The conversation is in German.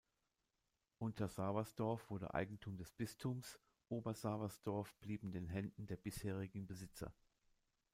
Unter-Sawersdorf wurde Eigentum des Bistums, Ober-Sawersdorf blieb in den Händen der bisherigen Besitzer.